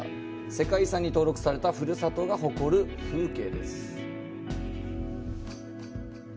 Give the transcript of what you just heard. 世界遺産に登録されたふるさとが誇る風景です。